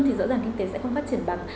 thì rõ ràng kinh tế sẽ không phát triển bằng